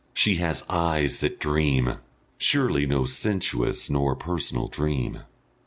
She has eyes that dream, surely no sensuous nor personal dream.